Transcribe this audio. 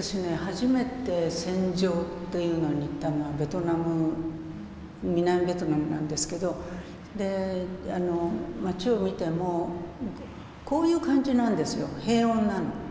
初めて戦場っていうのに行ったのはベトナム南ベトナムなんですけど町を見てもこういう感じなんですよ平穏なの。